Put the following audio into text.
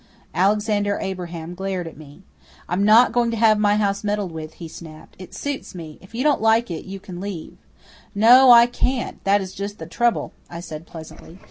Alexander Abraham glared at me. "I'm not going to have my house meddled with," he snapped. "It suits me. If you don't like it you can leave it." "No, I can't. That is just the trouble," I said pleasantly.